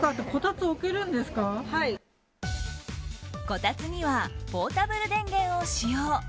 こたつにはポータブル電源を使用。